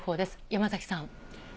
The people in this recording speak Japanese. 山崎さん。